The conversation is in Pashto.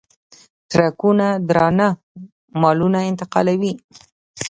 ټرکونه درانه مالونه انتقالوي.